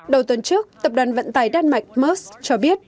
đầu tuần trước tập đoàn vận tài đan mạch mers cho biết